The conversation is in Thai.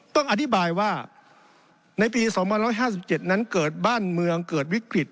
ต้องอธิบายว่าในปี๒๕๗นั้นเกิดบ้านเมืองเกิดวิกฤต